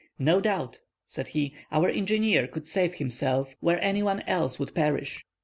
"No doubt," said he, "our engineer could save himself where any one else would perish."